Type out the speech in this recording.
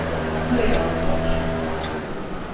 Nu reāli forši.